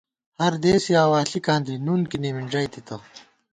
ہردېسے آوا ݪِکاں دی ، نُن کی نِمِنݮَئیتِتہ